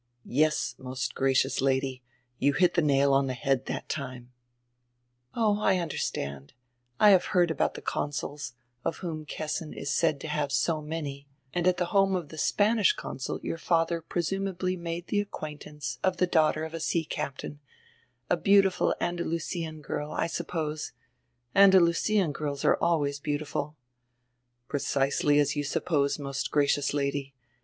"Yes, most gracious Lady, you hit die nail on die head that time." "Oh, I understand. I have heard about die consuls, of whom Kessin is said to have so many, and at die home of die Spanish consul your fadier presumably made die acquaintance of die daughter of a sea captain, a beautiful Andalusian girl, I suppose; Andalusian girls are always beautiful" "Precisely as you suppose, most gracious Lady.